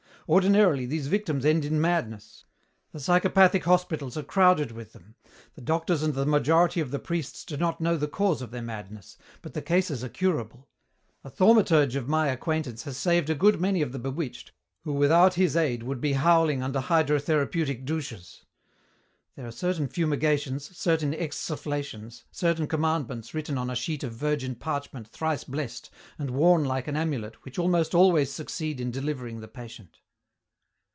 Ordinarily these victims end in madness. The psychopathic hospitals are crowded with them. The doctors and the majority of the priests do not know the cause of their madness, but the cases are curable. A thaumaturge of my acquaintance has saved a good many of the bewitched who without his aid would be howling under hydrotherapeutic douches. There are certain fumigations, certain exsufflations, certain commandments written on a sheet of virgin parchment thrice blessed and worn like an amulet which almost always succeed in delivering the patient."